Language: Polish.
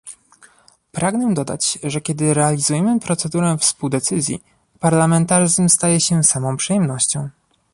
Pragnę dodać, że kiedy realizujemy procedurę współdecyzji, parlamentaryzm staje się samą przyjemnością